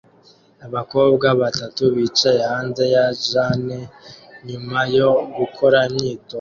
Abakobwa batatu bicaye hanze ya Jane nyuma yo gukora imyitozo